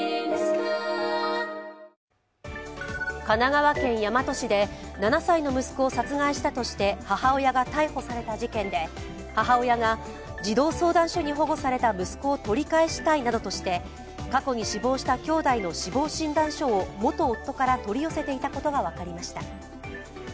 神奈川県大和市で７歳の息子を殺害したとして母親が逮捕された事件で母親が、児童相談所に保護された息子を取り返したいなどとして過去に死亡したきょうだいの死亡診断書を元夫から取り寄せていたことが分かりました。